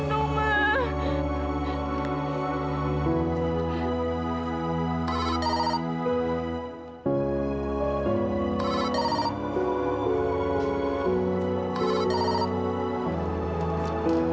sampai jumpa lagi